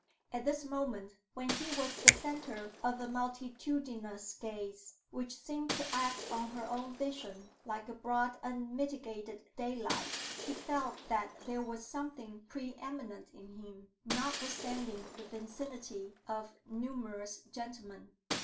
At this moment, when he was the centre of a multitudinous gaze, which seemed to act on her own vision like a broad unmitigated daylight, she felt that there was something pre eminent in him, notwithstanding the vicinity of numerous gentlemen.